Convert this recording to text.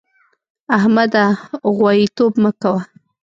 احمده! غواييتوب مه کوه.